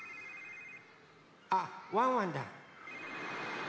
あっワンワンだ。